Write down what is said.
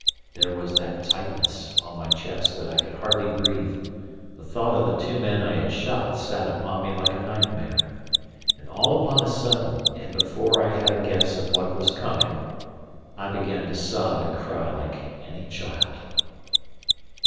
There was that tightness on my chest that I could hardly breathe; the thought of the two men I had shot sat upon me like a nightmare; and all upon a sudden, and before I had a guess of what was coming, I began to sob and cry like any child.